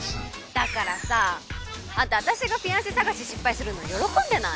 だからさぁアンタ私がフィアンセ探し失敗するの喜んでない？